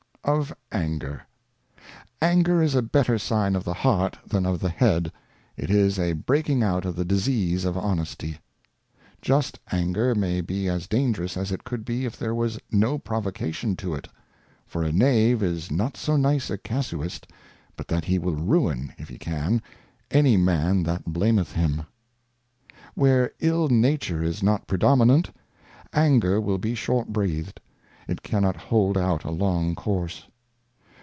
Of ANGER. ANGER is a better Sign of the Heart than of the Head ; it MX. is a breaking out of the Disease of Honesty. Just Anger may be as dangerous as it could be if there was no Provocation to it ; for a Knave is not so nice a Casuist but that he will ruin, if he can, any Man that blameth him. Where Ill nature is not predominant. Anger will be short breathed, it cannot hold out a long Course.